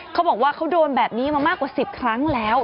เขาบอกว่าเขาโดนแบบนี้มามากกว่า๑๐ครั้งแล้ว